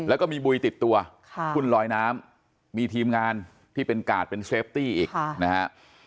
แล้วก็มีบุยติดตัวหุ้นลอยน้ำมีทีมงานที่เป็นกาดเป็นเซฟตี้อีกนะฮะ